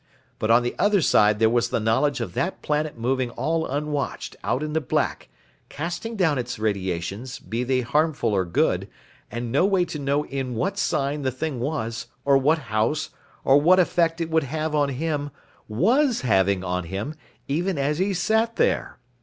But on the other side there was the knowledge of that planet moving all unwatched out in the black, casting down its radiations, be they harmful or good, and no way to know in what sign the thing was, or what house, or what effect it would have on him, was having on him, even as he sat there.